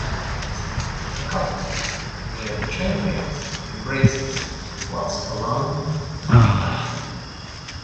A couple, near the train rails, embraces whilst alone on a platform.